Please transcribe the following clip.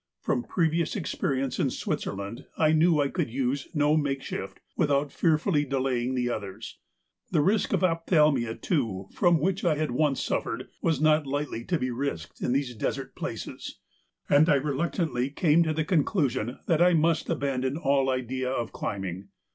From previous experience in Switzerland I knew I could use no makeshift without fearfully delaying the others. The risk of ophthalmia too, from which I had once suffered, was not lightly to be risked in these desert places, and I reluctantly came to the conclusion that I must abandon all idea of climbing.